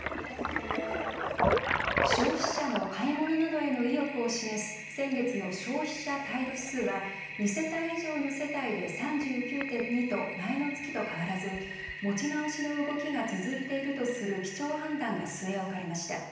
消費者の買い物などへの意欲を示す、先月の消費者態度指数は２世帯以上の世帯で３９．２と前の月と変わらず、持ち直しの動きが続いているとする基調判断が据え置かれました。